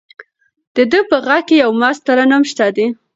د ده په غږ کې یو مست ترنم شته دی.